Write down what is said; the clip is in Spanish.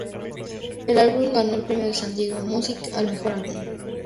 El álbum ganó el Premio San Diego Music al Mejor Álbum.